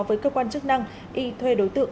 với cơ quan chức năng y thuê đối tượng